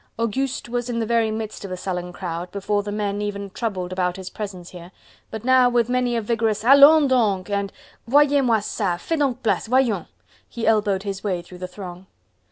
Auguste was in the very midst of the sullen crowd, before the men even troubled about his presence here, but now with many a vigorous "Allons donc!" and "Voyez moi ca, fais donc place, voyons!" he elbowed his way through the throng.